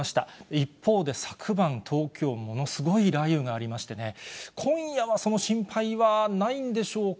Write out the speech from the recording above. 一方で昨晩、東京、ものすごい雷雨がありましてね、今夜はその心配はないんでしょうか。